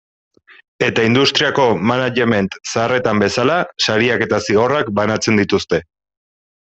Eta industriako management zaharretan bezala, sariak eta zigorrak banatzen dituzte.